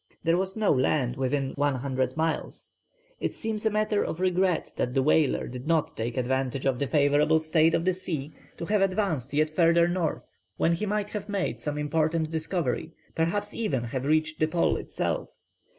There was no land within 100 miles. It seems a matter of regret that the whaler did not take advantage of the favourable state of the sea to have advanced yet further north, when he might have made some important discovery, perhaps even have reached the Pole itself.